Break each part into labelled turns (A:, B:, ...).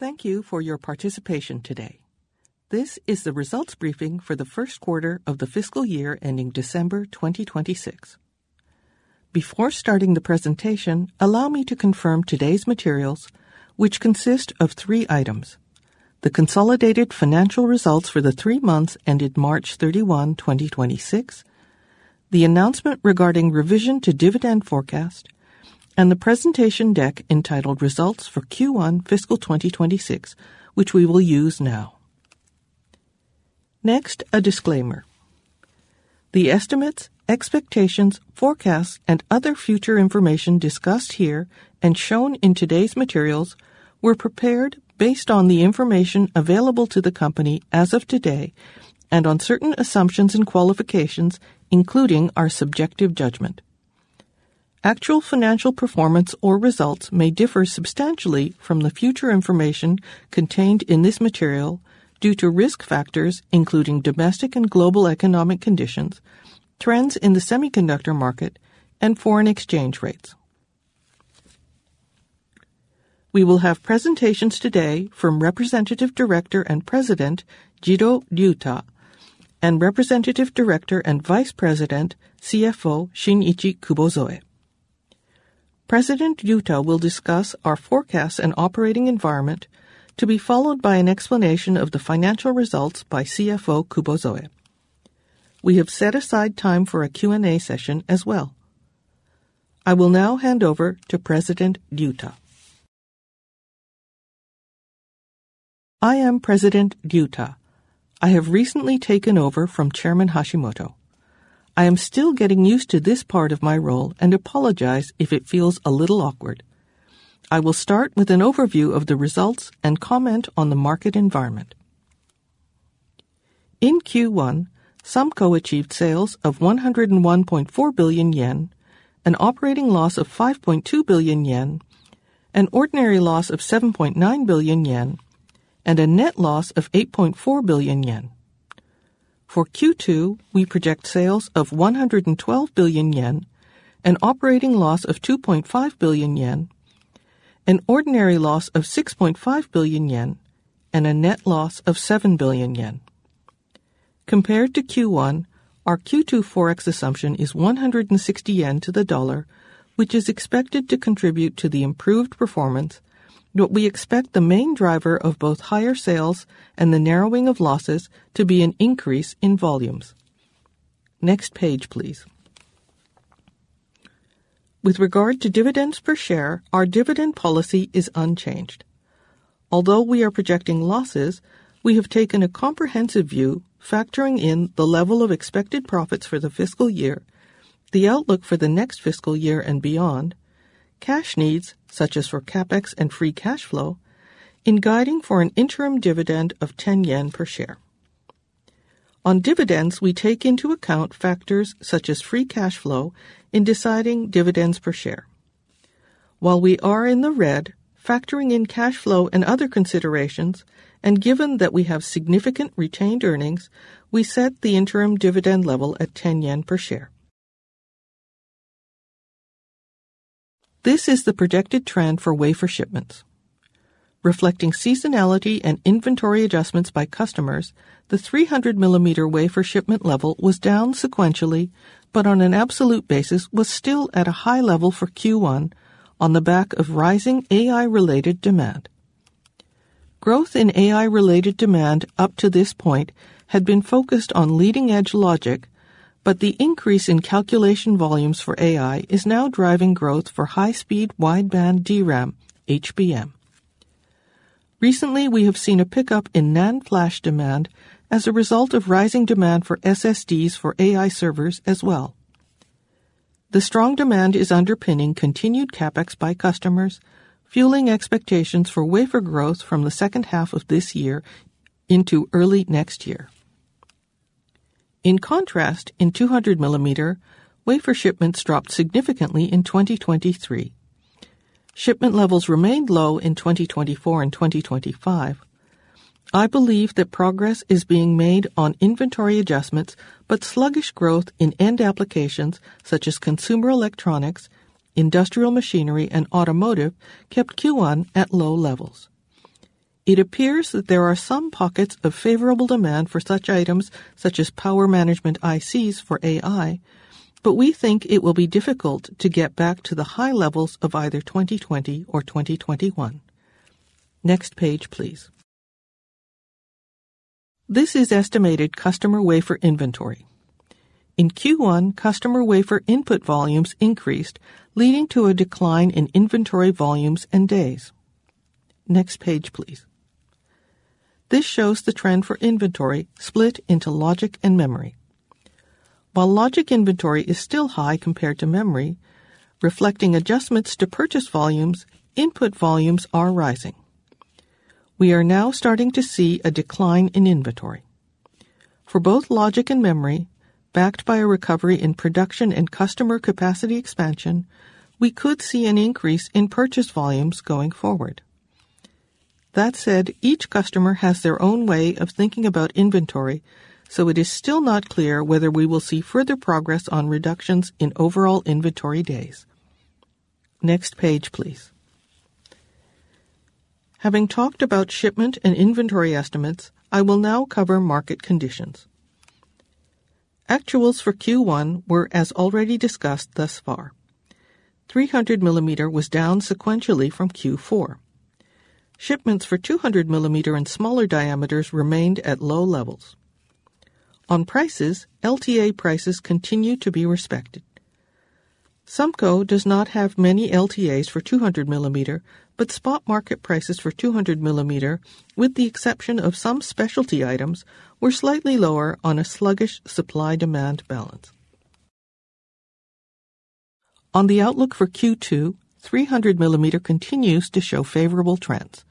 A: Thank you for your participation today. This is the results briefing for the first quarter of the fiscal year ending December 2026. Before starting the presentation, allow me to confirm today's materials, which consist of three items: the consolidated financial results for the three months ended March 31, 2026, the announcement regarding revision to dividend forecast, and the presentation deck entitled Results for Q1 Fiscal 2026, which we will use now. Next, a disclaimer. The estimates, expectations, forecasts, and other future information discussed here and shown in today's materials were prepared based on the information available to the company as of today and on certain assumptions and qualifications, including our subjective judgment. Actual financial performance or results may differ substantially from the future information contained in this material due to risk factors including domestic and global economic conditions, trends in the semiconductor market, and foreign exchange rates. We will have presentations today from Representative Director and President Jiro Ryuta and Representative Director and Vice President CFO Shinichi Kubozoe. President Ryuta will discuss our forecasts and operating environment, to be followed by an explanation of the financial results by CFO Kubozoe. We have set aside time for a Q&A session as well. I will now hand over to President Ryuta.
B: I am President Ryuta. I have recently taken over from Chairman Hashimoto. I am still getting used to this part of my role and apologize if it feels a little awkward. I will start with an overview of the results and comment on the market environment. In Q1, SUMCO achieved sales of 101.4 billion yen, an operating loss of 5.2 billion yen, an ordinary loss of 7.9 billion yen, and a net loss of 8.4 billion yen. For Q2, we project sales of 112 billion yen, an operating loss of 2.5 billion yen, an ordinary loss of 6.5 billion yen, and a net loss of 7 billion yen. Compared to Q1, our Q2 forex assumption is 160 yen to the dollar, which is expected to contribute to the improved performance. We expect the main driver of both higher sales and the narrowing of losses to be an increase in volumes. Next page, please. With regard to dividends per share, our dividend policy is unchanged. Although we are projecting losses, we have taken a comprehensive view factoring in the level of expected profits for the fiscal year, the outlook for the next fiscal year and beyond, cash needs such as for CapEx and free cash flow in guiding for an interim dividend of 10 yen per share. On dividends, we take into account factors such as free cash flow in deciding dividends per share. While we are in the red, factoring in cash flow and other considerations, and given that we have significant retained earnings, we set the interim dividend level at 10 yen per share. This is the projected trend for wafer shipments. Reflecting seasonality and inventory adjustments by customers, the 300 mm wafer shipment level was down sequentially. On an absolute basis was still at a high level for Q1 on the back of rising AI-related demand. Growth in AI-related demand up to this point had been focused on leading-edge logic. The increase in calculation volumes for AI is now driving growth for high speed wideband DRAM, HBM. Recently, we have seen a pickup in NAND flash demand as a result of rising demand for SSDs for AI servers as well. The strong demand is underpinning continued CapEx by customers, fueling expectations for wafer growth from the second half of this year into early next year. In contrast, in 200 mm, wafer shipments dropped significantly in 2023. Shipment levels remained low in 2024 and 2025. I believe that progress is being made on inventory adjustments, but sluggish growth in end applications such as consumer electronics, industrial machinery, and automotive kept Q1 at low levels. It appears that there are some pockets of favorable demand for such items such as Power Management ICs for AI, but we think it will be difficult to get back to the high levels of either 2020 or 2021. Next page, please. This is estimated customer wafer inventory. In Q1, customer wafer input volumes increased, leading to a decline in inventory volumes and days. Next page, please. This shows the trend for inventory split into logic and memory. While logic inventory is still high compared to memory, reflecting adjustments to purchase volumes, input volumes are rising. We are now starting to see a decline in inventory. For both logic and memory, backed by a recovery in production and customer capacity expansion, we could see an increase in purchase volumes going forward. That said, each customer has their own way of thinking about inventory, so it is still not clear whether we will see further progress on reductions in overall inventory days. Next page, please. Having talked about shipment and inventory estimates, I will now cover market conditions. Actuals for Q1 were as already discussed thus far. 300 mm was down sequentially from Q4. Shipments for 200 mm and smaller diameters remained at low levels. On prices, LTA prices continue to be respected. SUMCO does not have many LTAs for 200 mm, but spot market prices for 200 mm, with the exception of some specialty items, were slightly lower on a sluggish supply-demand balance. On the outlook for Q2, 300 mm continues to show favorable trends.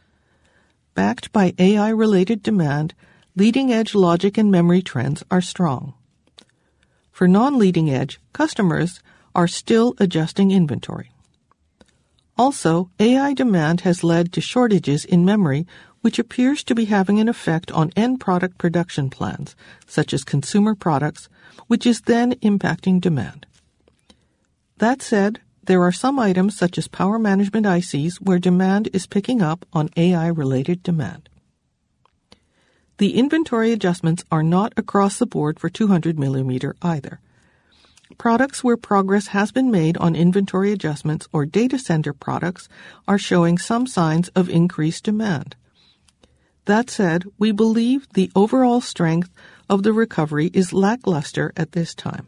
B: Backed by AI-related demand, leading-edge logic and memory trends are strong. For non-leading-edge, customers are still adjusting inventory. Also, AI demand has led to shortages in memory, which appears to be having an effect on end product production plans, such as consumer products, which is then impacting demand. That said, there are some items such as Power Management ICs, where demand is picking up on AI-related demand. The inventory adjustments are not across the board for 200 mm either. Products where progress has been made on inventory adjustments or data center products are showing some signs of increased demand. That said, we believe the overall strength of the recovery is lackluster at this time.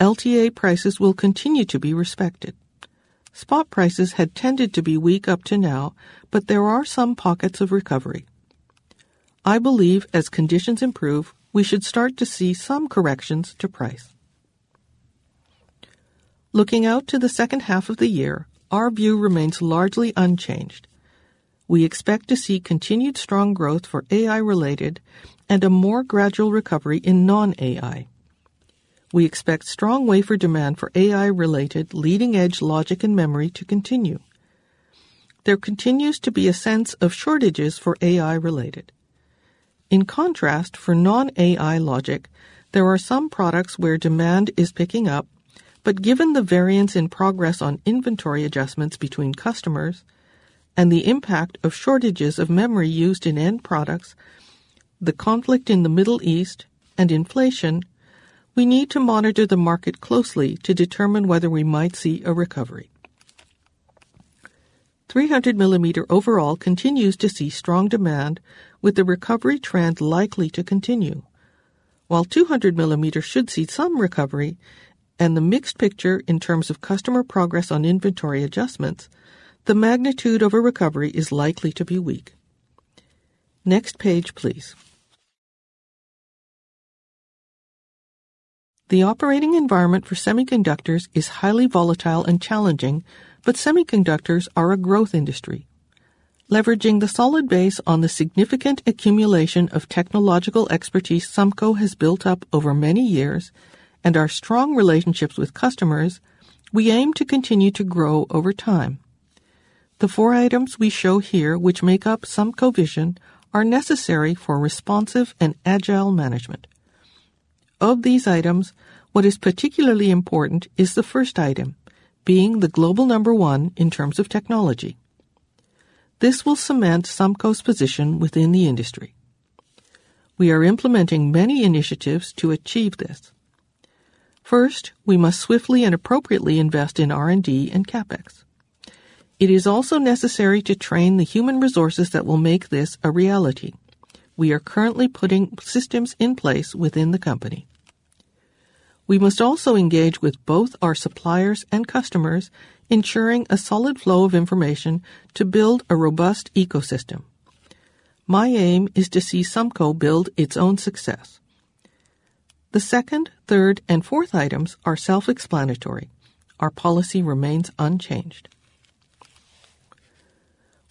B: LTA prices will continue to be respected. Spot prices had tended to be weak up to now, but there are some pockets of recovery. I believe as conditions improve, we should start to see some corrections to price. Looking out to the second half of the year, our view remains largely unchanged. We expect to see continued strong growth for AI-related and a more gradual recovery in non-AI. We expect strong wafer demand for AI-related leading-edge logic and memory to continue. There continues to be a sense of shortages for AI-related. In contrast, for non-AI logic, there are some products where demand is picking up, but given the variance in progress on inventory adjustments between customers and the impact of shortages of memory used in end products, the conflict in the Middle East and inflation, we need to monitor the market closely to determine whether we might see a recovery. 300 mm overall continues to see strong demand, with the recovery trend likely to continue. While 200 mm should see some recovery and the mixed picture in terms of customer progress on inventory adjustments, the magnitude of a recovery is likely to be weak. Next page, please. The operating environment for semiconductors is highly volatile and challenging, but semiconductors are a growth industry. Leveraging the solid base on the significant accumulation of technological expertise SUMCO has built up over many years and our strong relationships with customers, we aim to continue to grow over time. The four items we show here, which make up SUMCO Vision, are necessary for responsive and agile management. Of these items, what is particularly important is the first item, being the global number one in terms of technology. This will cement SUMCO's position within the industry. We are implementing many initiatives to achieve this. First, we must swiftly and appropriately invest in R&D and CapEx. It is also necessary to train the human resources that will make this a reality. We are currently putting systems in place within the company. We must also engage with both our suppliers and customers, ensuring a solid flow of information to build a robust ecosystem. My aim is to see SUMCO build its own success. The second, third, and fourth items are self-explanatory. Our policy remains unchanged.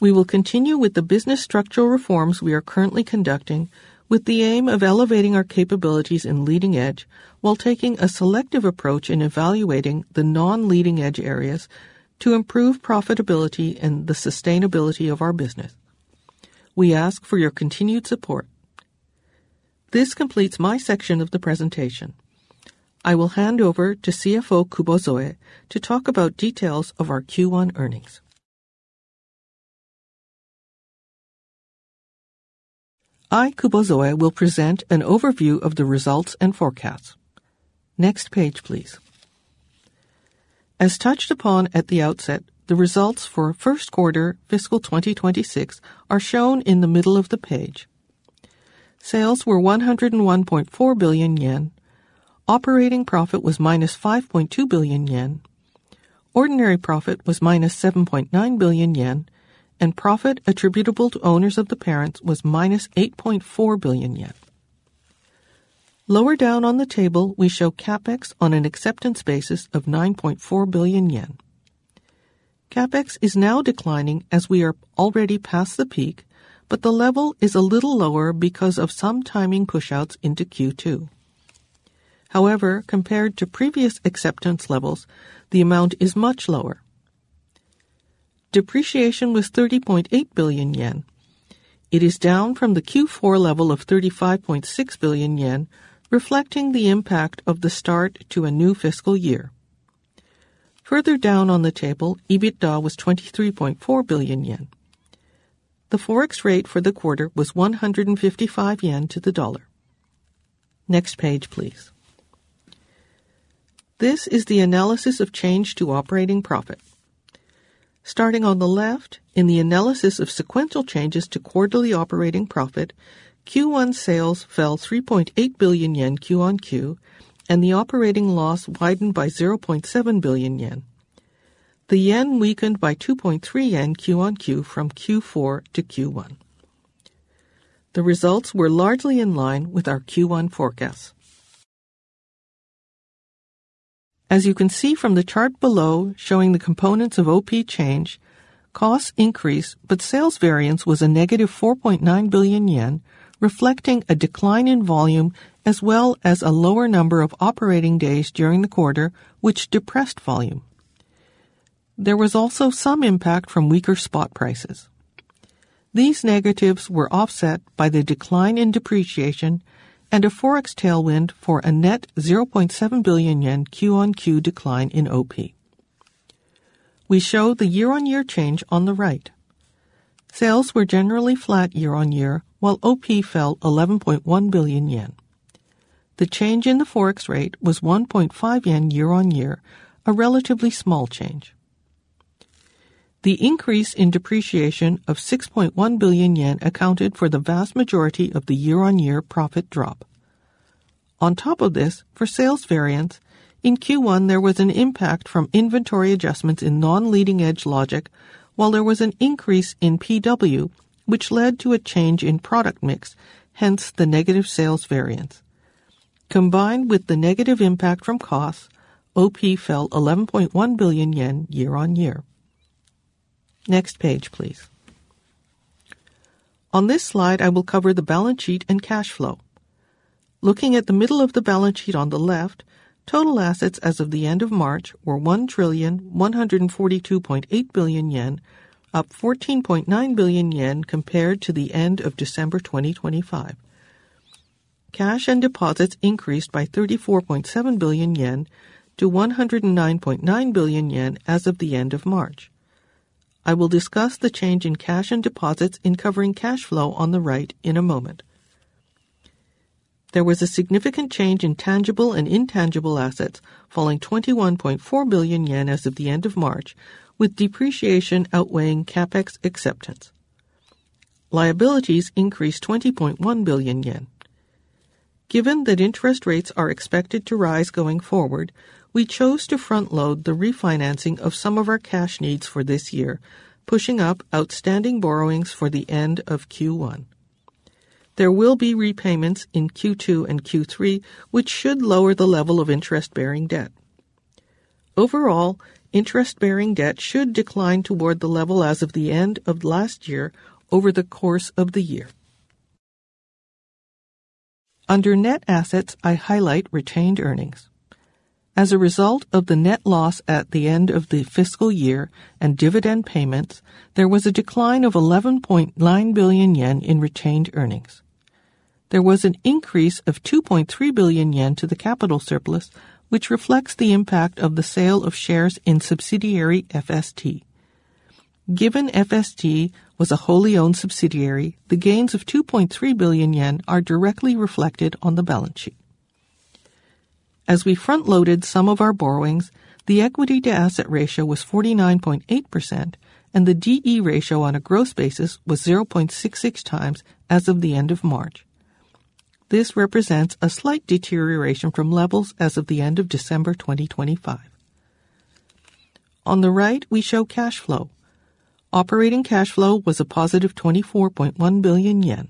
B: We will continue with the business structural reforms we are currently conducting with the aim of elevating our capabilities in leading edge, while taking a selective approach in evaluating the non-leading edge areas to improve profitability and the sustainability of our business. We ask for your continued support. This completes my section of the presentation. I will hand over to CFO Kubozoe to talk about details of our Q1 earnings.
C: I, Kubozoe, will present an overview of the results and forecasts. Next page, please. As touched upon at the outset, the results for first quarter fiscal 2026 are shown in the middle of the page. Sales were 101.4 billion yen. Operating profit was -5.2 billion yen. Ordinary profit was -7.9 billion yen. Profit attributable to owners of the parent was -8.4 billion yen. Lower down on the table, we show CapEx on an acceptance basis of 9.4 billion yen. CapEx is now declining as we are already past the peak. The level is a little lower because of some timing push outs into Q2. However, compared to previous acceptance levels, the amount is much lower. Depreciation was 30.8 billion yen. It is down from the Q4 level of 35.6 billion yen, reflecting the impact of the start to a new fiscal year. Further down on the table, EBITDA was 23.4 billion yen. The forex rate for the quarter was 155 yen to the dollar. Next page, please. This is the analysis of change to operating profit. Starting on the left, in the analysis of sequential changes to quarterly operating profit, Q1 sales fell 3.8 billion yen QoQ, and the operating loss widened by 0.7 billion yen. The yen weakened by 2.3 yen QoQ from Q4 to Q1. The results were largely in line with our Q1 forecast. As you can see from the chart below showing the components of OP change, costs increase, but sales variance was a -4.9 billion yen, reflecting a decline in volume as well as a lower number of operating days during the quarter, which depressed volume. There was also some impact from weaker spot prices. These negatives were offset by the decline in depreciation and a forex tailwind for a net 0.7 billion yen QoQ decline in OP. We show the year-on-year change on the right. Sales were generally flat year-on-year, while OP fell 11.1 billion yen. The change in the forex rate was 1.5 yen year-on-year, a relatively small change. The increase in depreciation of 6.1 billion yen accounted for the vast majority of the year-on-year profit drop. On top of this, for sales variance, in Q1 there was an impact from inventory adjustments in non-leading edge logic, while there was an increase in PW, which led to a change in product mix, hence the negative sales variance. Combined with the negative impact from costs, OP fell 11.1 billion yen year-on-year. Next page, please. On this slide, I will cover the balance sheet and cash flow. Looking at the middle of the balance sheet on the left, total assets as of the end of March were 1,142.8 trillion, up 14.9 billion yen compared to the end of December 2025. Cash and deposits increased by 34.7 billion yen to 109.9 billion yen as of the end of March. I will discuss the change in cash and deposits in covering cash flow on the right in a moment. There was a significant change in tangible and intangible assets, falling 21.4 billion yen as of the end of March, with depreciation outweighing CapEx acceptance. Liabilities increased 20.1 billion yen. Given that interest rates are expected to rise going forward, we chose to front-load the refinancing of some of our cash needs for this year, pushing up outstanding borrowings for the end of Q1. There will be repayments in Q2 and Q3, which should lower the level of interest-bearing debt. Overall, interest-bearing debt should decline toward the level as of the end of last year over the course of the year. Under net assets, I highlight retained earnings. As a result of the net loss at the end of the fiscal year and dividend payments, there was a decline of 11.9 billion yen in retained earnings. There was an increase of 2.3 billion yen to the capital surplus, which reflects the impact of the sale of shares in subsidiary FST. Given FST was a wholly owned subsidiary, the gains of 2.3 billion yen are directly reflected on the balance sheet. As we front-loaded some of our borrowings, the equity-to-asset ratio was 49.8%, and the D/E ratio on a gross basis was 0.66x as of the end of March. This represents a slight deterioration from levels as of the end of December 2025. On the right, we show cash flow. Operating cash flow was a positive 24.1 billion yen.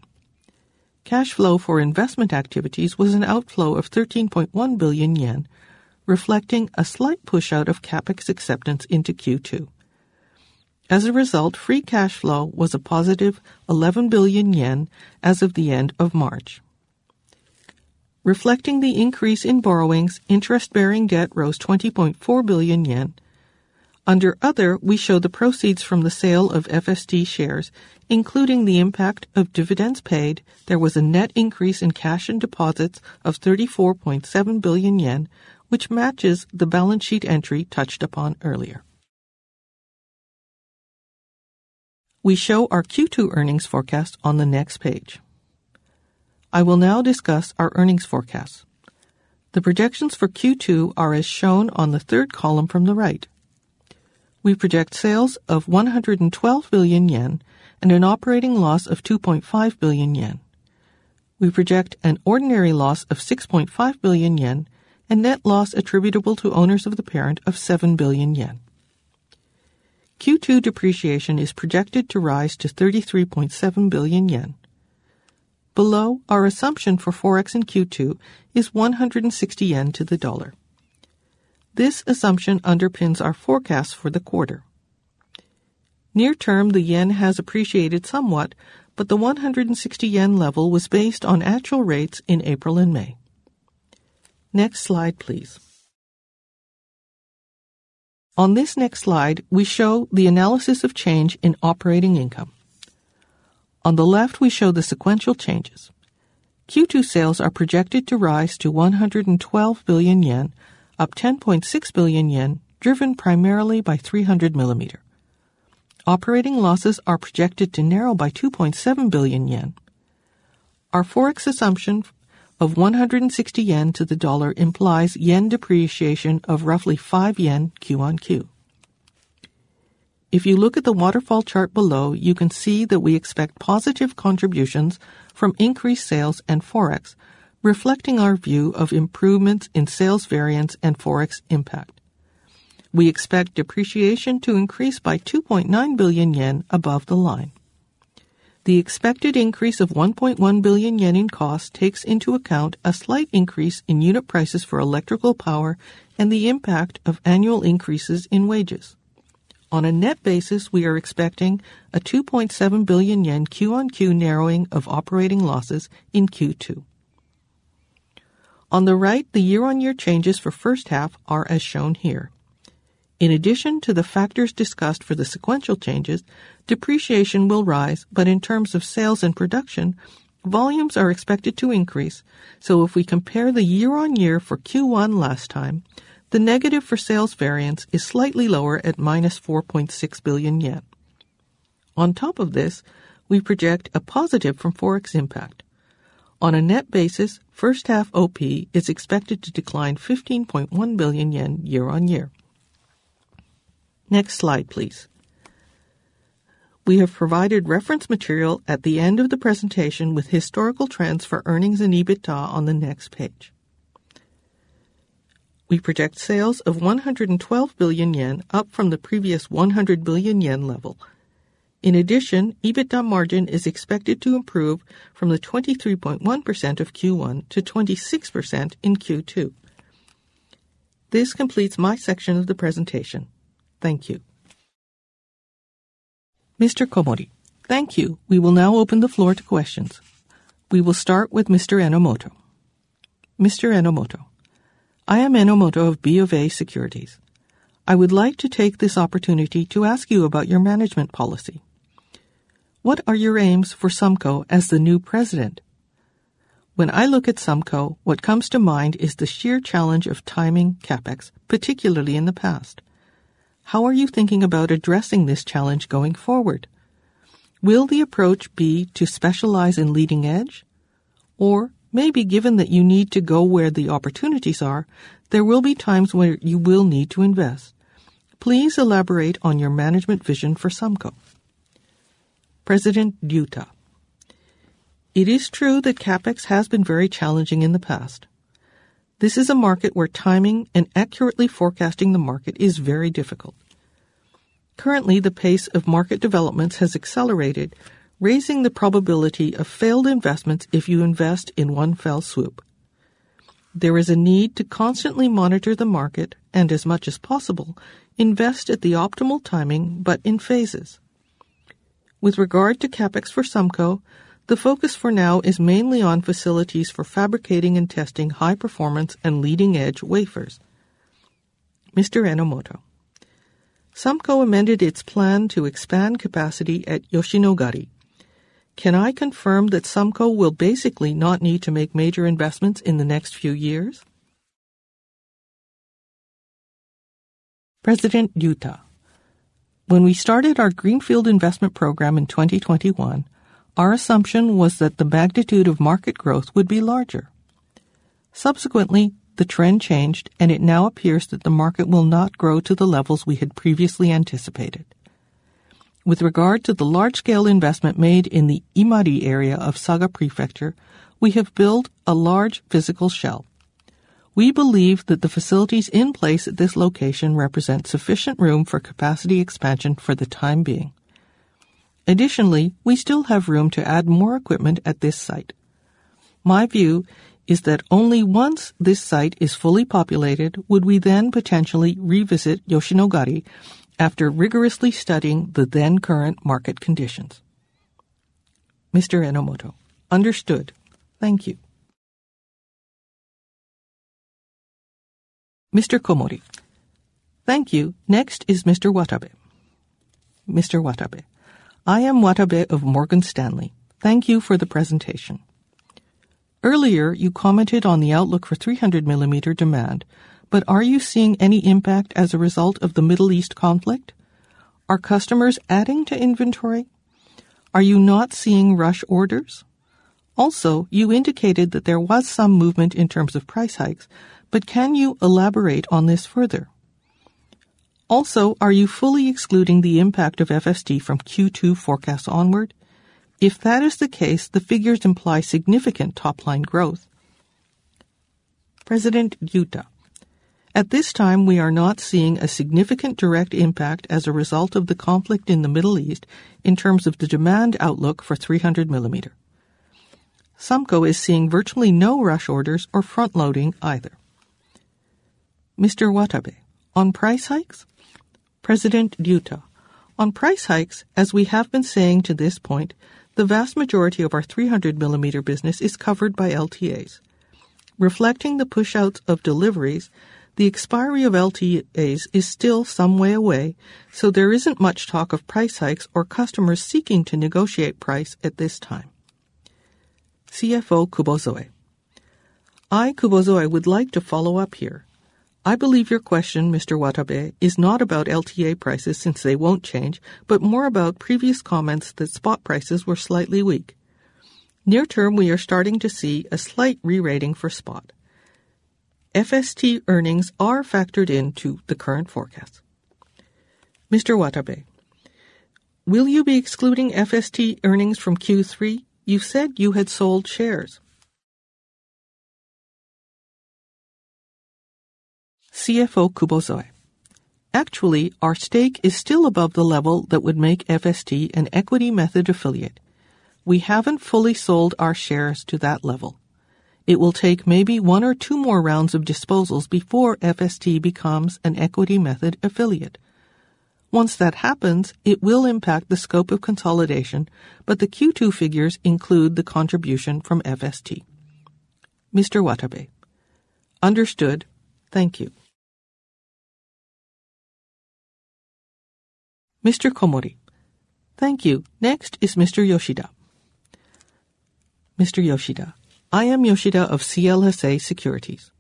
C: Cash flow for investment activities was an outflow of 13.1 billion yen, reflecting a slight push out of CapEx acceptance into Q2. As a result, free cash flow was a positive 11 billion yen as of the end of March. Reflecting the increase in borrowings, interest-bearing debt rose 20.4 billion yen. Under other, we show the proceeds from the sale of FST shares, including the impact of dividends paid. There was a net increase in cash and deposits of 34.7 billion yen, which matches the balance sheet entry touched upon earlier. We show our Q2 earnings forecast on the next page. I will now discuss our earnings forecast. The projections for Q2 are as shown on the third column from the right. We project sales of 112 billion yen and an operating loss of 2.5 billion yen. We project an ordinary loss of 6.5 billion yen and net loss attributable to owners of the parent of 7 billion yen. Q2 depreciation is projected to rise to 33.7 billion yen. Below, our assumption for forex in Q2 is 160 yen to the dollar. This assumption underpins our forecast for the quarter. Near term, the yen has appreciated somewhat, but the 160 yen level was based on actual rates in April and May. Next slide, please. On this next slide, we show the analysis of change in operating income. On the left, we show the sequential changes. Q2 sales are projected to rise to 112 billion yen, up 10.6 billion yen, driven primarily by 300 mm. Operating losses are projected to narrow by 2.7 billion yen. Our forex assumption of 160 yen to the dollar implies yen depreciation of roughly 5 yen QoQ. If you look at the waterfall chart below, you can see that we expect positive contributions from increased sales and forex, reflecting our view of improvements in sales variance and forex impact. We expect depreciation to increase by 2.9 billion yen above the line. The expected increase of 1.1 billion yen in cost takes into account a slight increase in unit prices for electrical power and the impact of annual increases in wages. On a net basis, we are expecting a 2.7 billion yen QoQ narrowing of operating losses in Q2. On the right, the year-on-year changes for first half are as shown here. In addition to the factors discussed for the sequential changes, depreciation will rise, but in terms of sales and production, volumes are expected to increase. If we compare the year-on-year for Q1 last time, the negative for sales variance is slightly lower at -4.6 billion yen. On top of this, we project a positive from forex impact. On a net basis, first half OP is expected to decline 15.1 billion yen year-on-year. Next slide, please. We have provided reference material at the end of the presentation with historical trends for earnings and EBITDA on the next page. We project sales of 112 billion yen, up from the previous 100 billion yen level. In addition, EBITDA margin is expected to improve from the 23.1% of Q1 to 26% in Q2. This completes my section of the presentation. Thank you.
A: Thank you. We will now open the floor to questions. We will start with Mr. Enomoto.
D: I am Enomoto of BofA Securities. I would like to take this opportunity to ask you about your management policy. What are your aims for SUMCO as the new president? When I look at SUMCO, what comes to mind is the sheer challenge of timing CapEx, particularly in the past. How are you thinking about addressing this challenge going forward? Will the approach be to specialize in leading edge? Or maybe given that you need to go where the opportunities are, there will be times where you will need to invest. Please elaborate on your management vision for SUMCO.
B: It is true that CapEx has been very challenging in the past. This is a market where timing and accurately forecasting the market is very difficult. Currently, the pace of market developments has accelerated, raising the probability of failed investments if you invest in one fell swoop. There is a need to constantly monitor the market and, as much as possible, invest at the optimal timing, but in phases. With regard to CapEx for SUMCO, the focus for now is mainly on facilities for fabricating and testing high performance and leading-edge wafers.
D: SUMCO amended its plan to expand capacity at Yoshinogari. Can I confirm that SUMCO will basically not need to make major investments in the next few years?
B: When we started our greenfield investment program in 2021, our assumption was that the magnitude of market growth would be larger. Subsequently, the trend changed, and it now appears that the market will not grow to the levels we had previously anticipated. With regard to the large-scale investment made in the Imari area of Saga Prefecture, we have built a large physical shell. We believe that the facilities in place at this location represent sufficient room for capacity expansion for the time being. Additionally, we still have room to add more equipment at this site. My view is that only once this site is fully populated would we then potentially revisit Yoshinogari after rigorously studying the then current market conditions.
D: Understood. Thank you.
A: Thank you. Next is Mr. Watabe.
E: I am Watabe of Morgan Stanley. Thank you for the presentation. Earlier, you commented on the outlook for 300 mm demand, but are you seeing any impact as a result of the Middle East conflict? Are customers adding to inventory? Are you not seeing rush orders? Also, you indicated that there was some movement in terms of price hikes, but can you elaborate on this further? Also, are you fully excluding the impact of FST from Q2 forecast onward? If that is the case, the figures imply significant top-line growth.
B: At this time, we are not seeing a significant direct impact as a result of the conflict in the Middle East in terms of the demand outlook for 300 mm. SUMCO is seeing virtually no rush orders or front-loading either.
E: On price hikes?
B: On price hikes, as we have been saying to this point, the vast majority of our 300 mm business is covered by LTAs. Reflecting the push outs of deliveries, the expiry of LTAs is still some way away, so there isn't much talk of price hikes or customers seeking to negotiate price at this time.
C: I, Kubozoe, would like to follow up here. I believe your question, Mr. Watabe, is not about LTA prices since they won't change, but more about previous comments that spot prices were slightly weak. Near term, we are starting to see a slight re-rating for spot. FST earnings are factored into the current forecast.
E: Will you be excluding FST earnings from Q3? You said you had sold shares.
C: Actually, our stake is still above the level that would make FST an equity method affiliate. We haven't fully sold our shares to that level. It will take maybe one or two more rounds of disposals before FST becomes an equity method affiliate. Once that happens, it will impact the scope of consolidation, but the Q2 figures include the contribution from FST.
E: Understood. Thank you.
A: Thank you. Next is Mr. Yoshida.
F: I am Yoshida of CLSA Securities.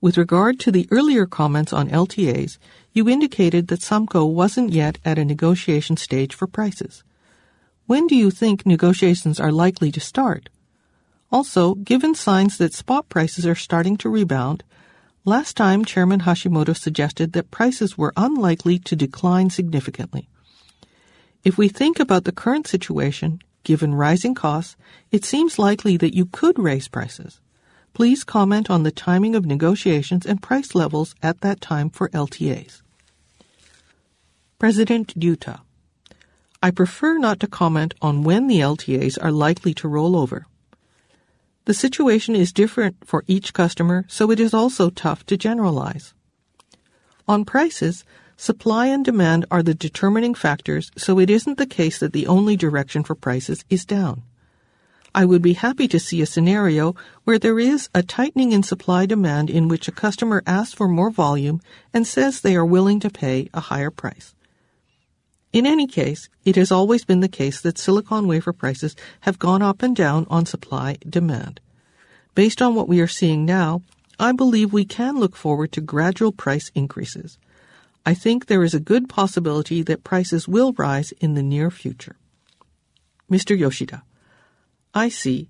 F: With regard to the earlier comments on LTAs, you indicated that SUMCO wasn't yet at a negotiation stage for prices. When do you think negotiations are likely to start? Also, given signs that spot prices are starting to rebound, last time, Chairman Hashimoto suggested that prices were unlikely to decline significantly. If we think about the current situation, given rising costs, it seems likely that you could raise prices. Please comment on the timing of negotiations and price levels at that time for LTAs.
B: I prefer not to comment on when the LTAs are likely to roll over. The situation is different for each customer, so it is also tough to generalize. On prices, supply and demand are the determining factors, so it isn't the case that the only direction for prices is down. I would be happy to see a scenario where there is a tightening in supply demand in which a customer asks for more volume and says they are willing to pay a higher price. In any case, it has always been the case that silicon wafer prices have gone up and down on supply demand. Based on what we are seeing now, I believe we can look forward to gradual price increases. I think there is a good possibility that prices will rise in the near future.
F: I see.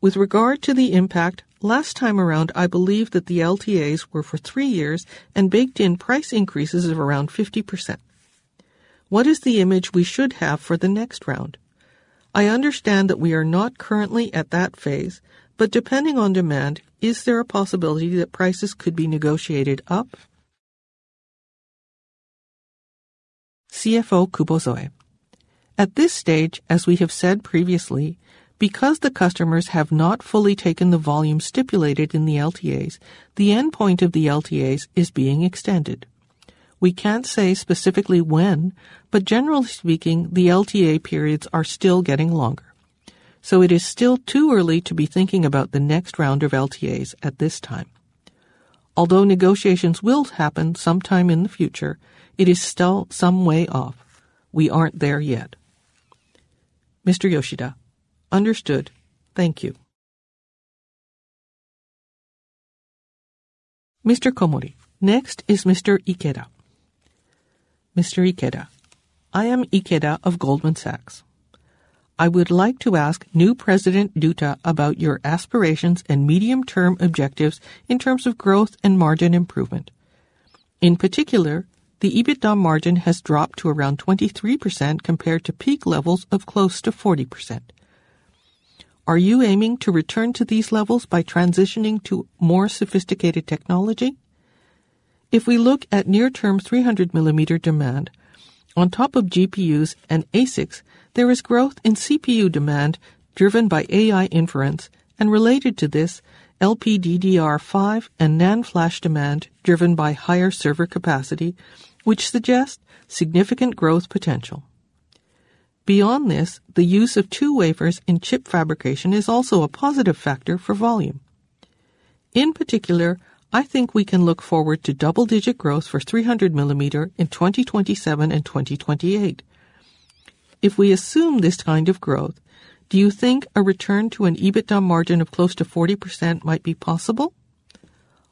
F: With regard to the impact, last time around, I believe that the LTAs were for three years and baked in price increases of around 50%. What is the image we should have for the next round? I understand that we are not currently at that phase, but depending on demand, is there a possibility that prices could be negotiated up?
C: At this stage, as we have said previously, because the customers have not fully taken the volume stipulated in the LTAs, the endpoint of the LTAs is being extended. We can't say specifically when, but generally speaking, the LTA periods are still getting longer. It is still too early to be thinking about the next round of LTAs at this time. Although negotiations will happen sometime in the future, it is still some way off. We aren't there yet.
F: Understood. Thank you.
A: Next is Mr. Ikeda.
G: I am Ikeda of Goldman Sachs. I would like to ask new President Ryuta about your aspirations and medium-term objectives in terms of growth and margin improvement. In particular, the EBITDA margin has dropped to around 23% compared to peak levels of close to 40%. Are you aiming to return to these levels by transitioning to more sophisticated technology? If we look at near-term 300 mm demand, on top of GPUs and ASICs, there is growth in CPU demand driven by AI inference and related to this LPDDR5 and NAND flash demand driven by higher server capacity, which suggests significant growth potential. Beyond this, the use of two wafers in chip fabrication is also a positive factor for volume. In particular, I think we can look forward to double-digit growth for 300 mm in 2027 and 2028. If we assume this kind of growth, do you think a return to an EBITDA margin of close to 40% might be possible?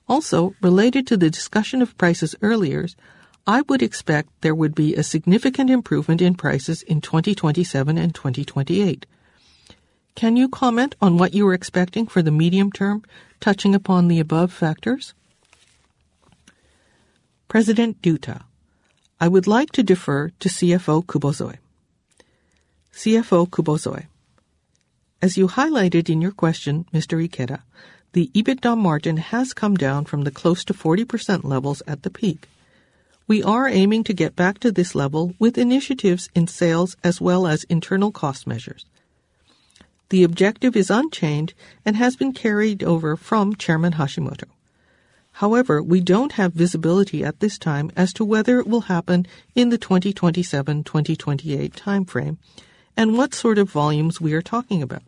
G: Also, related to the discussion of prices earlier, I would expect there would be a significant improvement in prices in 2027 and 2028. Can you comment on what you are expecting for the medium term, touching upon the above factors?
B: I would like to defer to CFO Kubozoe.
C: As you highlighted in your question, Mr. Ikeda, the EBITDA margin has come down from the close to 40% levels at the peak. We are aiming to get back to this level with initiatives in sales as well as internal cost measures. The objective is unchanged and has been carried over from Chairman Hashimoto. However, we don't have visibility at this time as to whether it will happen in the 2027, 2028 timeframe and what sort of volumes we are talking about.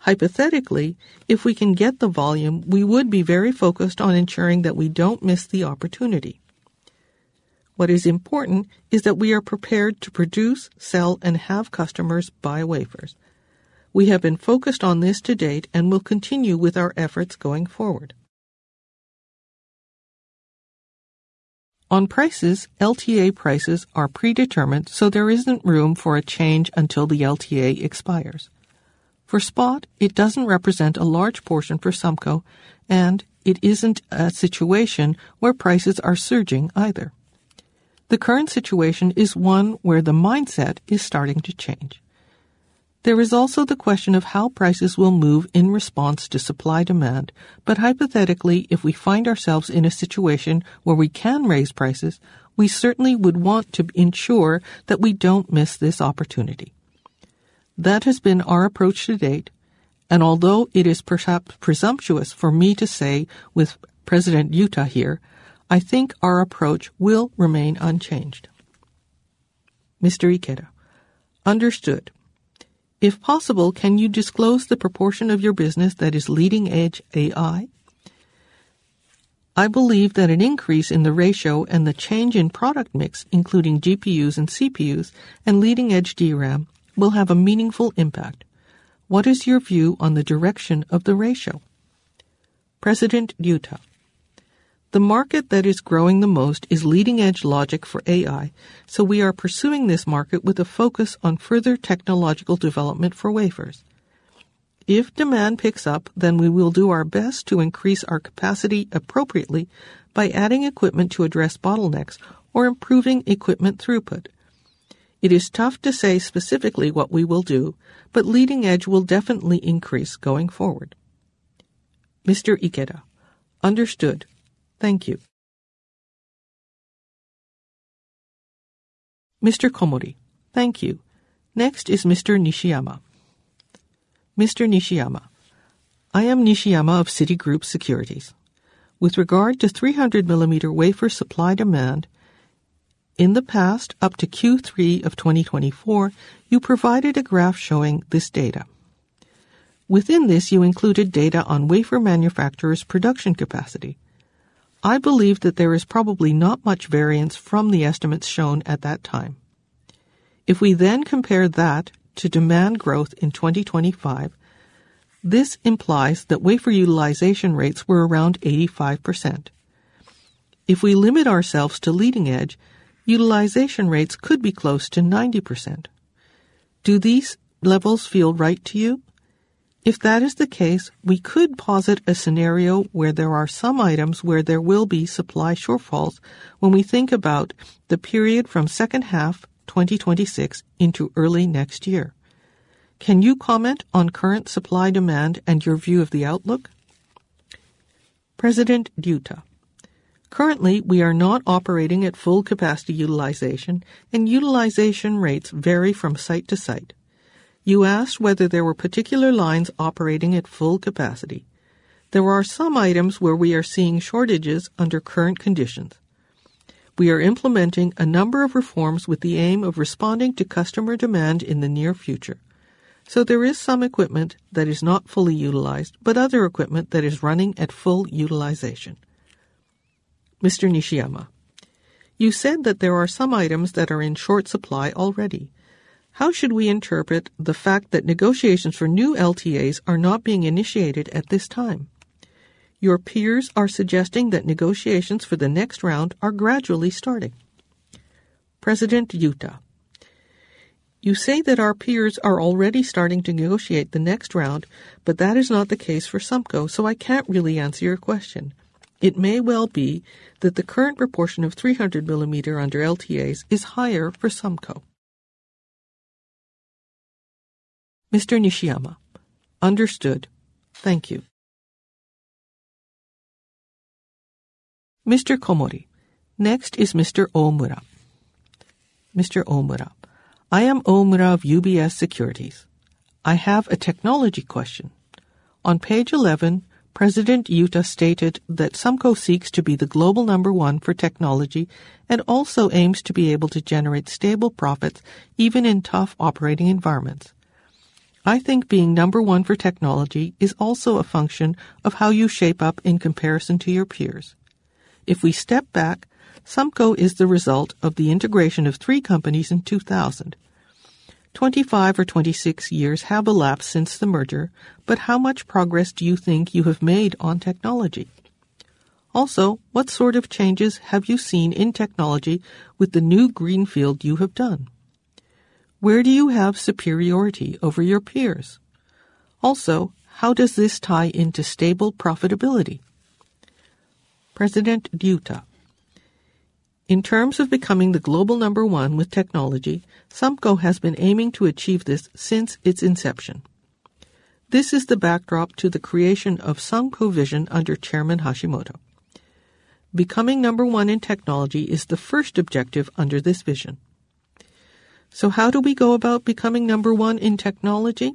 C: Hypothetically, if we can get the volume, we would be very focused on ensuring that we don't miss the opportunity. What is important is that we are prepared to produce, sell, and have customers buy wafers. We have been focused on this to date and will continue with our efforts going forward. On prices, LTA prices are predetermined, so there isn't room for a change until the LTA expires. For spot, it doesn't represent a large portion for SUMCO, and it isn't a situation where prices are surging either. The current situation is one where the mindset is starting to change. There is also the question of how prices will move in response to supply-demand. Hypothetically, if we find ourselves in a situation where we can raise prices, we certainly would want to ensure that we don't miss this opportunity. That has been our approach to date, although it is perhaps presumptuous for me to say with President Ryuta here, I think our approach will remain unchanged.
G: Understood. If possible, can you disclose the proportion of your business that is leading-edge AI? I believe that an increase in the ratio and the change in product mix, including GPUs and CPUs and leading-edge DRAM, will have a meaningful impact. What is your view on the direction of the ratio?
B: The market that is growing the most is leading-edge logic for AI. We are pursuing this market with a focus on further technological development for wafers. If demand picks up, we will do our best to increase our capacity appropriately by adding equipment to address bottlenecks or improving equipment throughput. It is tough to say specifically what we will do, leading edge will definitely increase going forward.
G: Understood. Thank you.
A: Thank you. Next is Mr. Nishiyama.
H: I am Nishiyama of Citigroup Securities. With regard to 300 mm wafer supply demand, in the past, up to Q3 of 2024, you provided a graph showing this data. Within this, you included data on wafer manufacturers' production capacity. I believe that there is probably not much variance from the estimates shown at that time. If we then compare that to demand growth in 2025, this implies that wafer utilization rates were around 85%. If we limit ourselves to leading edge, utilization rates could be close to 90%. Do these levels feel right to you? If that is the case, we could posit a scenario where there are some items where there will be supply shortfalls when we think about the period from second half 2026 into early next year. Can you comment on current supply demand and your view of the outlook?
B: Currently, we are not operating at full capacity utilization, and utilization rates vary from site to site. You asked whether there were particular lines operating at full capacity. There are some items where we are seeing shortages under current conditions. We are implementing a number of reforms with the aim of responding to customer demand in the near future. There is some equipment that is not fully utilized, but other equipment that is running at full utilization.
H: You said that there are some items that are in short supply already. How should we interpret the fact that negotiations for new LTAs are not being initiated at this time? Your peers are suggesting that negotiations for the next round are gradually starting.
B: You say that our peers are already starting to negotiate the next round. That is not the case for SUMCO. I can't really answer your question. It may well be that the current proportion of 300 mm under LTAs is higher for SUMCO.
H: Understood. Thank you.
A: Next is Mr. Omura.
I: I am Omura of UBS Securities. I have a technology question. On page 11, President Ryuta stated that SUMCO seeks to be the global number one for technology and also aims to be able to generate stable profits even in tough operating environments. I think being number one for technology is also a function of how you shape up in comparison to your peers. If we step back, SUMCO is the result of the integration of three companies in 2000. 25 or 26 years have elapsed since the merger, but how much progress do you think you have made on technology? Also, what sort of changes have you seen in technology with the new greenfield you have done? Where do you have superiority over your peers? Also, how does this tie into stable profitability?
B: In terms of becoming the global number one with technology, SUMCO has been aiming to achieve this since its inception. This is the backdrop to the creation of SUMCO Vision under Chairman Hashimoto. Becoming number one in technology is the first objective under this vision. How do we go about becoming number one in technology?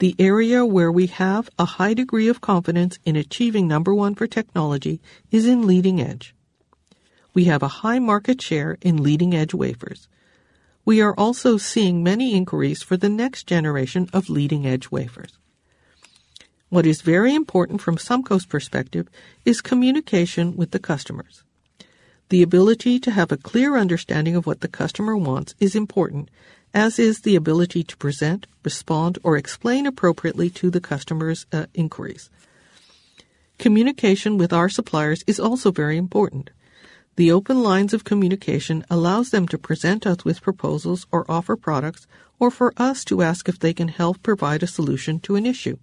B: The area where we have a high degree of confidence in achieving number one for technology is in leading edge. We have a high market share in leading-edge wafers. We are also seeing many inquiries for the next generation of leading-edge wafers. What is very important from SUMCO's perspective is communication with the customers. The ability to have a clear understanding of what the customer wants is important, as is the ability to present, respond, or explain appropriately to the customer's inquiries. Communication with our suppliers is also very important. The open lines of communication allows them to present us with proposals or offer products or for us to ask if they can help provide a solution to an issue.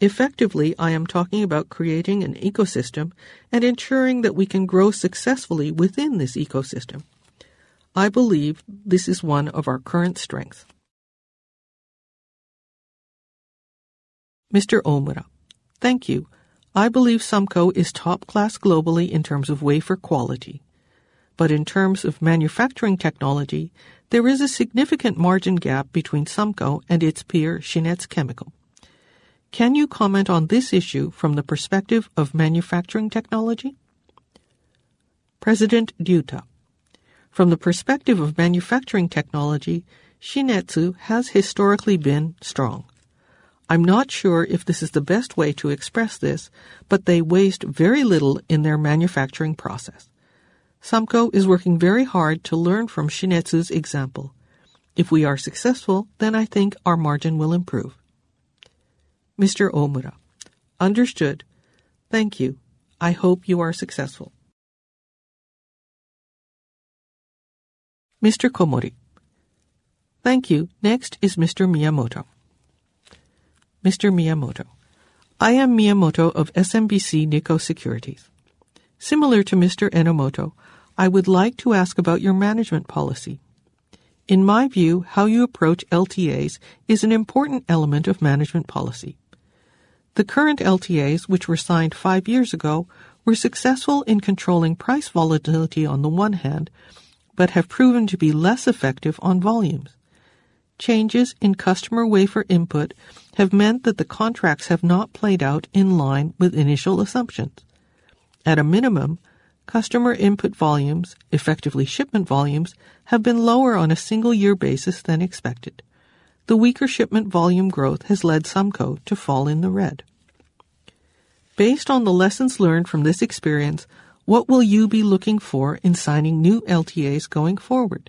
B: Effectively, I am talking about creating an ecosystem and ensuring that we can grow successfully within this ecosystem. I believe this is one of our current strength.
I: Thank you. I believe SUMCO is top class globally in terms of wafer quality. In terms of manufacturing technology, there is a significant margin gap between SUMCO and its peer Shin-Etsu Chemical. Can you comment on this issue from the perspective of manufacturing technology?
B: From the perspective of manufacturing technology, Shin-Etsu has historically been strong. I'm not sure if this is the best way to express this, but they waste very little in their manufacturing process. SUMCO is working very hard to learn from Shin-Etsu's example. If we are successful, then I think our margin will improve.
I: Understood. Thank you. I hope you are successful.
A: Thank you. Next is Mr. Miyamoto.
J: I am Miyamoto of SMBC Nikko Securities. Similar to Mr. Enomoto, I would like to ask about your management policy. In my view, how you approach LTAs is an important element of management policy. The current LTAs, which were signed five years ago, were successful in controlling price volatility on the one hand but have proven to be less effective on volumes. Changes in customer wafer input have meant that the contracts have not played out in line with initial assumptions. At a minimum, customer input volumes, effectively shipment volumes, have been lower on a single-year basis than expected. The weaker shipment volume growth has led SUMCO to fall in the red. Based on the lessons learned from this experience, what will you be looking for in signing new LTAs going forward?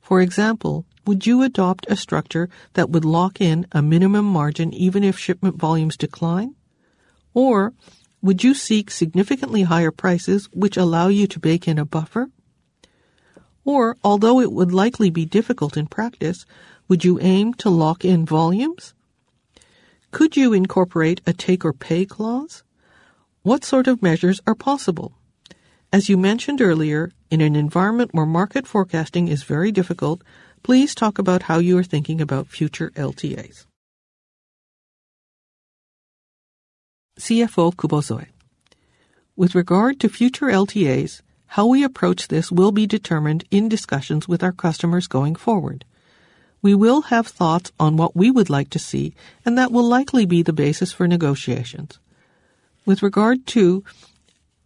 J: For example, would you adopt a structure that would lock in a minimum margin even if shipment volumes decline? Or would you seek significantly higher prices which allow you to bake in a buffer? Or although it would likely be difficult in practice, would you aim to lock in volumes? Could you incorporate a take-or-pay clause? What sort of measures are possible? As you mentioned earlier, in an environment where market forecasting is very difficult, please talk about how you are thinking about future LTAs.
C: With regard to future LTAs, how we approach this will be determined in discussions with our customers going forward. We will have thoughts on what we would like to see, and that will likely be the basis for negotiations. With regard to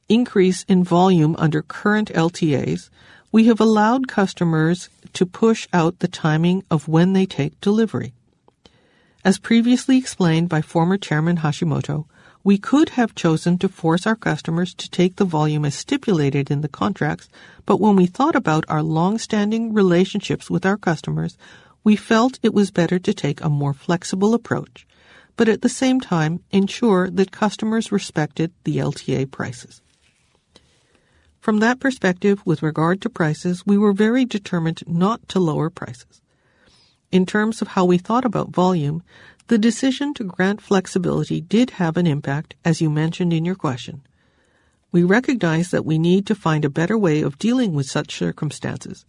C: increase in volume under current LTAs, we have allowed customers to push out the timing of when they take delivery. As previously explained by former Chairman Hashimoto, we could have chosen to force our customers to take the volume as stipulated in the contracts, but when we thought about our longstanding relationships with our customers, we felt it was better to take a more flexible approach, but at the same time ensure that customers respected the LTA prices. From that perspective, with regard to prices, we were very determined not to lower prices. In terms of how we thought about volume, the decision to grant flexibility did have an impact, as you mentioned in your question. We recognize that we need to find a better way of dealing with such circumstances.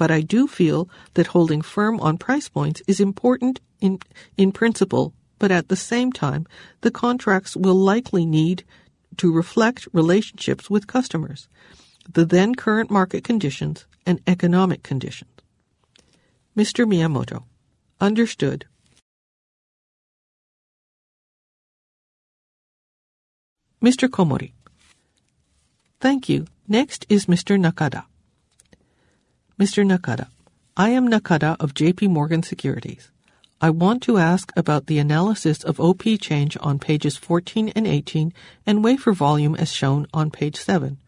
C: I do feel that holding firm on price points is important in principle, but at the same time, the contracts will likely need to reflect relationships with customers, the then current market conditions and economic conditions.
J: Understood.
A: Thank you. Next is Mr. Nakada.
K: I am Nakada of JPMorgan Securities. I want to ask about the analysis of OP change on pages 14 and 18 and wafer volume as shown on page seven.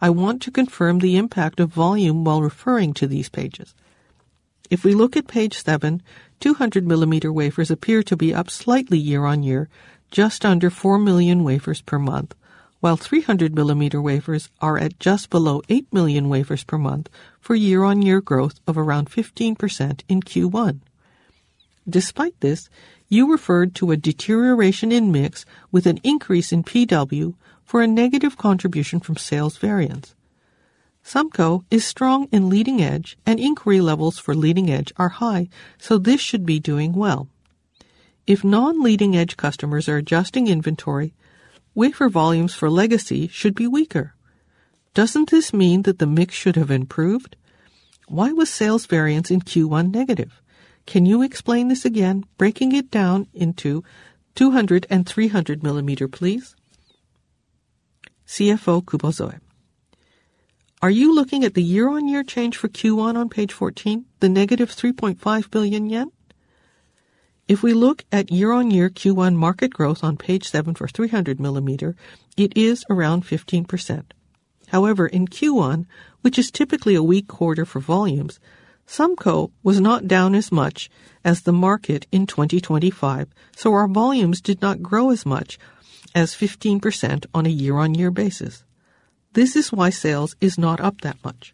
K: I want to confirm the impact of volume while referring to these pages. If we look at page seven, 200 mm wafers appear to be up slightly year-on-year, just under four million wafers per month, while 300 mm wafers are at just below eight million wafers per month for year-on-year growth of around 15% in Q1. Despite this, you referred to a deterioration in mix with an increase in PW for a negative contribution from sales variance. SUMCO is strong in leading edge, and inquiry levels for leading edge are high, so this should be doing well. If non-leading edge customers are adjusting inventory, wafer volumes for legacy should be weaker. Doesn't this mean that the mix should have improved? Why was sales variance in Q1 negative? Can you explain this again, breaking it down into 200 and 300 mm please?
C: Are you looking at the year-on-year change for Q1 on page 14, the -3.5 billion yen? If we look at year-on-year Q1 market growth on page seven for 300 mm, it is around 15%. However, in Q1, which is typically a weak quarter for volumes, SUMCO was not down as much as the market in 2025, so our volumes did not grow as much as 15% on a year-on-year basis. This is why sales is not up that much.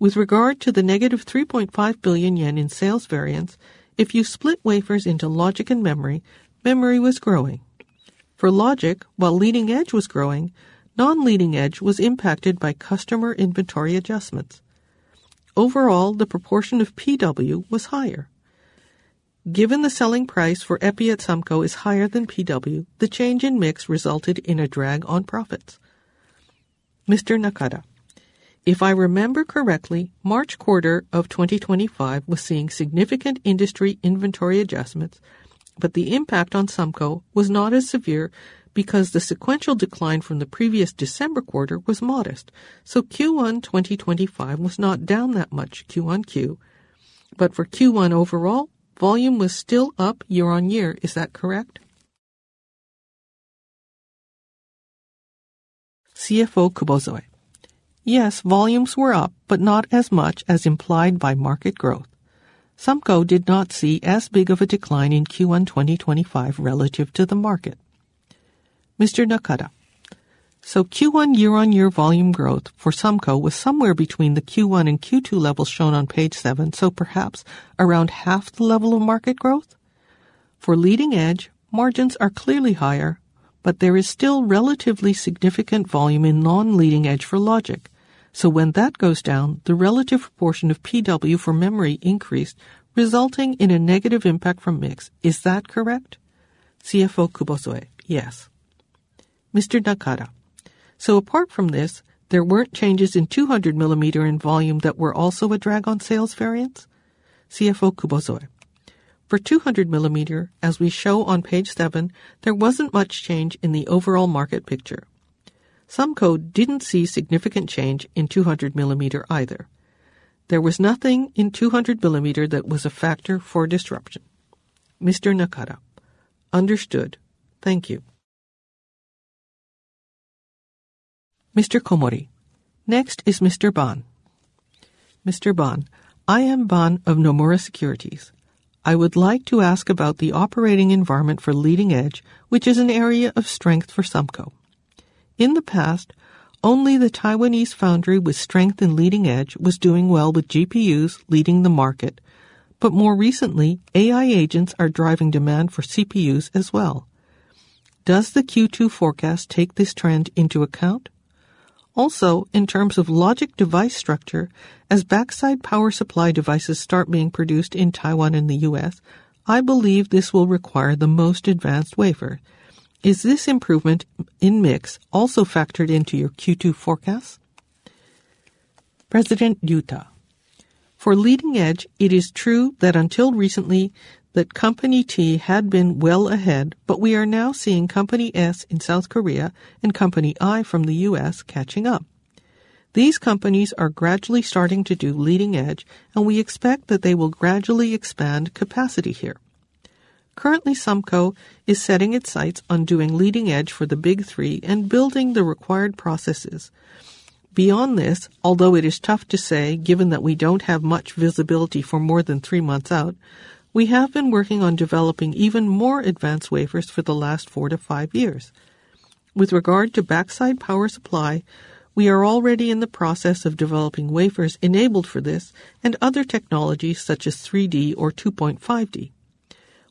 C: With regard to the -3.5 billion yen in sales variance, if you split wafers into logic and memory was growing. For logic, while leading edge was growing, non-leading edge was impacted by customer inventory adjustments. Overall, the proportion of PW was higher. Given the selling price for EPI at SUMCO is higher than PW, the change in mix resulted in a drag on profits.
K: If I remember correctly, March quarter of 2025 was seeing significant industry inventory adjustments, but the impact on SUMCO was not as severe because the sequential decline from the previous December quarter was modest. Q1 2025 was not down that much QoQ. For Q1 overall, volume was still up year-on-year. Is that correct?
C: Yes, volumes were up, but not as much as implied by market growth. SUMCO did not see as big of a decline in Q1 2025 relative to the market.
K: Q1 year-on-year volume growth for SUMCO was somewhere between the Q1 and Q2 levels shown on page seven, so perhaps around half the level of market growth? For leading edge, margins are clearly higher, but there is still relatively significant volume in non-leading edge for logic. When that goes down, the relative proportion of PW for memory increased, resulting in a negative impact from mix. Is that correct?
C: Yes.
K: Apart from this, there weren't changes in 200 mm in volume that were also a drag on sales variance?
C: For 200 mm, as we show on page seven, there wasn't much change in the overall market picture. SUMCO didn't see significant change in 200 mm either. There was nothing in 200 mm that was a factor for disruption.
K: Understood. Thank you.
A: Next is Mr. Ban.
L: I am Ban of Nomura Securities. I would like to ask about the operating environment for leading edge, which is an area of strength for SUMCO. In the past, only the Taiwanese foundry with strength in leading edge was doing well with GPUs leading the market. More recently, AI agents are driving demand for CPUs as well. Does the Q2 forecast take this trend into account? Also, in terms of logic device structure, as backside power supply devices start being produced in Taiwan and the U.S., I believe this will require the most advanced wafer. Is this improvement in mix also factored into your Q2 forecast?
B: For leading edge, it is true that until recently that company T had been well ahead, but we are now seeing company S in South Korea and company I from the U.S. catching up. These companies are gradually starting to do leading edge, and we expect that they will gradually expand capacity here. Currently, SUMCO is setting its sights on doing leading edge for the big three and building the required processes. Beyond this, although it is tough to say given that we don't have much visibility for more than three months out, we have been working on developing even more advanced wafers for the last four to five years. With regard to Backside Power Delivery, we are already in the process of developing wafers enabled for this and other technologies such as 3D or 2.5D.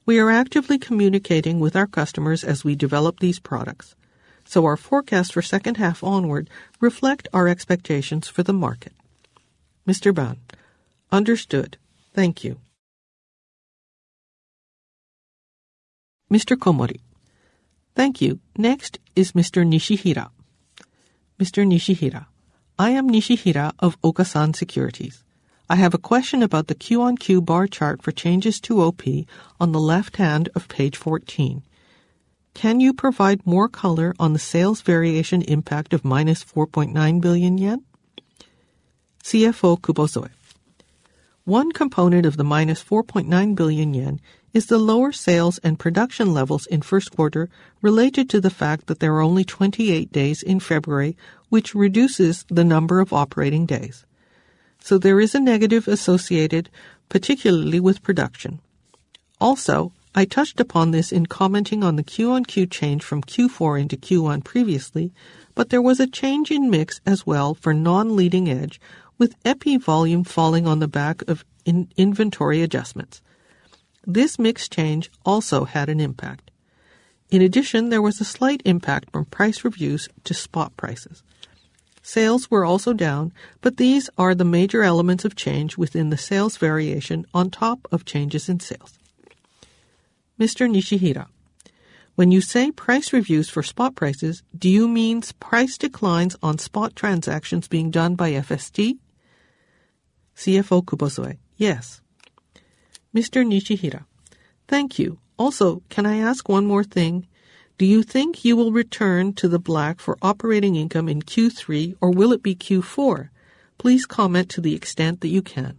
B: We are actively communicating with our customers as we develop these products. Our forecast for second half onward reflect our expectations for the market.
L: Understood. Thank you.
A: Thank you. Next is Mr. Nishihira.
M: I am Nishihira of Okasan Securities. I have a question about the QoQ bar chart for changes to OP on the left hand of page 14. Can you provide more color on the sales variation impact of -4.9 billion yen?
C: One component of the -4.9 billion yen is the lower sales and production levels in first quarter related to the fact that there are only 28 days in February, which reduces the number of operating days. There is a negative associated particularly with production. Also, I touched upon this in commenting on the QoQ change from Q4 into Q1 previously, but there was a change in mix as well for non-leading edge with EPI volume falling on the back of in-inventory adjustments. This mix change also had an impact. In addition, there was a slight impact from price reviews to spot prices. Sales were also down, but these are the major elements of change within the sales variation on top of changes in sales.
M: When you say price reviews for spot prices, do you mean price declines on spot transactions being done by FST?
C: Yes.
M: Thank you. Can I ask one more thing? Do you think you will return to the black for operating income in Q3 or will it be Q4? Please comment to the extent that you can.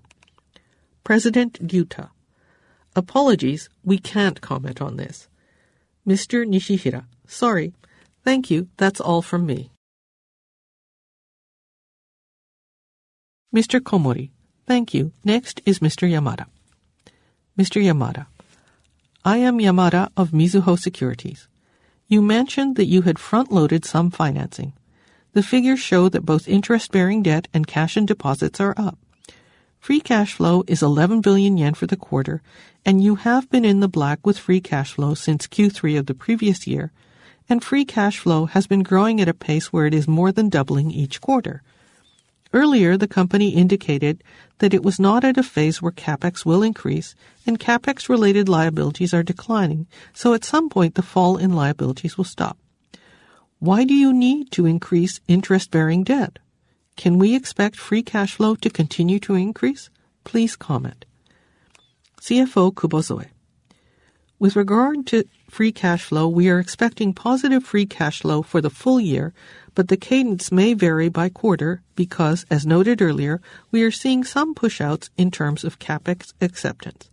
B: Apologies, we can't comment on this.
M: Sorry. Thank you. That's all from me.
A: Thank you. Next is Mr. Yamada.
N: I am Yamada of Mizuho Securities. You mentioned that you had front-loaded some financing. The figures show that both interest-bearing debt and cash, and deposits are up. Free cash flow is 11 billion yen for the quarter, and you have been in the black with free cash flow since Q3 of the previous year, and free cash flow has been growing at a pace where it is more than doubling each quarter. Earlier, the company indicated that it was not at a phase where CapEx will increase and CapEx related liabilities are declining, so at some point the fall in liabilities will stop. Why do you need to increase interest-bearing debt? Can we expect free cash flow to continue to increase? Please comment.
C: With regard to free cash flow, we are expecting positive free cash flow for the full year, but the cadence may vary by quarter because, as noted earlier, we are seeing some push outs in terms of CapEx acceptance.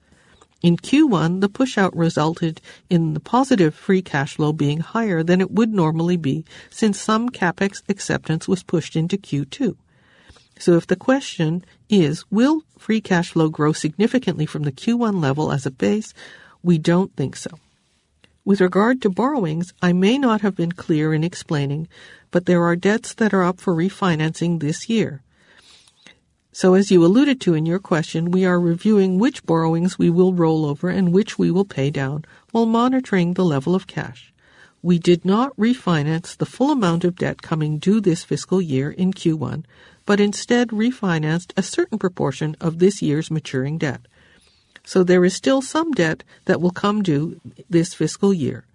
C: In Q1, the push out resulted in the positive free cash flow being higher than it would normally be since some CapEx acceptance was pushed into Q2. If the question is, will free cash flow grow significantly from the Q1 level as a base? We don't think so. With regard to borrowings, I may not have been clear in explaining, but there are debts that are up for refinancing this year. As you alluded to in your question, we are reviewing which borrowings we will roll over and which we will pay down while monitoring the level of cash. We did not refinance the full amount of debt coming due this fiscal year in Q1, but instead refinanced a certain proportion of this year's maturing debt. There is still some debt that will come due this fiscal year.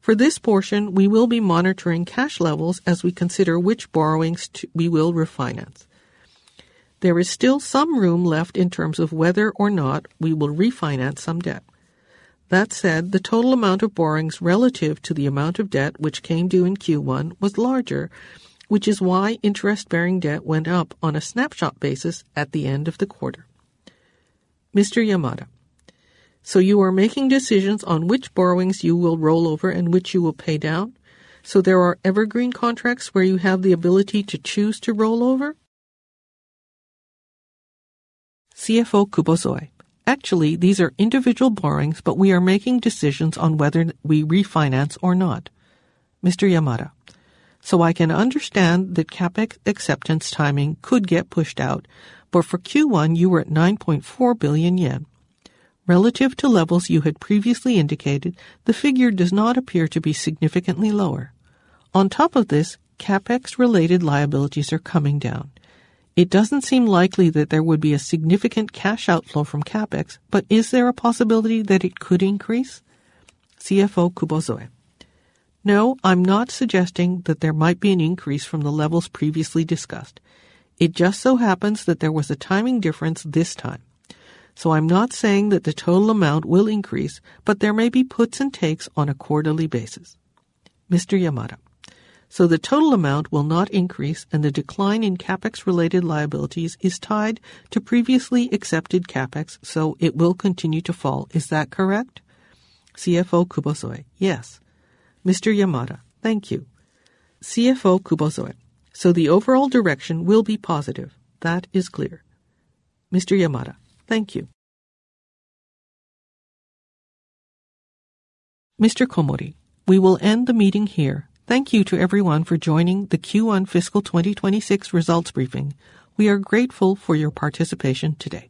C: For this portion, we will be monitoring cash levels as we consider which borrowings we will refinance. There is still some room left in terms of whether or not we will refinance some debt. That said, the total amount of borrowings relative to the amount of debt which came due in Q1 was larger, which is why interest bearing debt went up on a snapshot basis at the end of the quarter.
N: You are making decisions on which borrowings you will roll over and which you will pay down? There are evergreen contracts where you have the ability to choose to roll over?
C: Actually, these are individual borrowings, but we are making decisions on whether we refinance or not.
N: I can understand the CapEx acceptance timing could get pushed out, but for Q1 you were at 9.4 billion yen. Relative to levels you had previously indicated, the figure does not appear to be significantly lower. On top of this, CapEx related liabilities are coming down. It doesn't seem likely that there would be a significant cash outflow from CapEx, but is there a possibility that it could increase?
C: No, I'm not suggesting that there might be an increase from the levels previously discussed. It just so happens that there was a timing difference this time. I'm not saying that the total amount will increase, but there may be puts and takes on a quarterly basis.
N: The total amount will not increase, and the decline in CapEx related liabilities is tied to previously accepted CapEx, so it will continue to fall. Is that correct?
C: Yes.
N: Thank you.
C: The overall direction will be positive. That is clear.
N: Thank you.
A: We will end the meeting here. Thank you to everyone for joining the Q1 fiscal 2026 results briefing. We are grateful for your participation today.